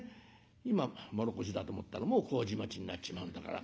今唐土だと思ったらもう麹町になっちまうんだから」。